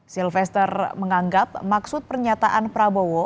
sylvester menganggap maksud pernyataan prabowo